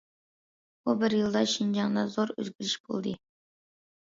بۇ بىر يىلدا شىنجاڭدا زور ئۆزگىرىش بولدى.